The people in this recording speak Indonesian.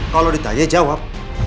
kalau ditanya jawab